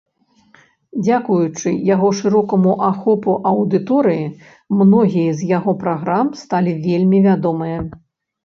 Дзякуючы яго шырокаму ахопу аўдыторыі, многія з яго праграм сталі вельмі вядомыя.